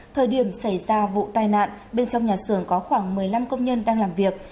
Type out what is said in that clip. thời điểm xảy ra vụ tai nạn bên trong nhà xưởng có khoảng một mươi năm công nhân đang làm việc